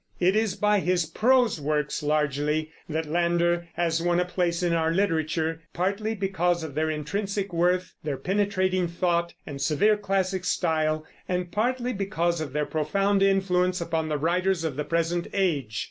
It is by his prose works, largely, that Landor has won a place in our literature; partly because of their intrinsic worth, their penetrating thought, and severe classic style; and partly because of their profound influence upon the writers of the present age.